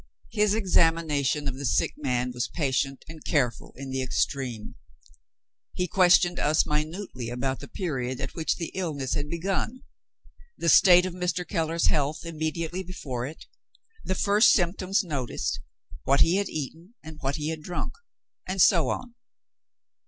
His examination of the sick man was patient and careful in the extreme. He questioned us minutely about the period at which the illness had begun; the state of Mr. Keller's health immediately before it; the first symptoms noticed; what he had eaten, and what he had drunk; and so on.